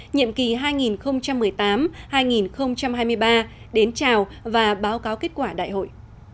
nhiệm kỳ hai nghìn một mươi tám hai nghìn hai mươi ba đến chào và báo cáo kết quả đại hội